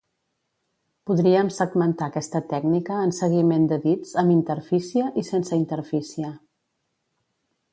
Podríem segmentar aquesta tècnica en seguiment de dits amb interfície i sense interfície.